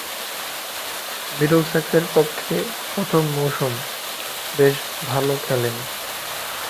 মিডলসেক্সের পক্ষে প্রথম মৌসুম বেশ ভালো খেলেন।